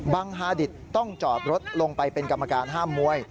ฮาดิตต้องจอดรถลงไปเป็นกรรมการห้ามมวย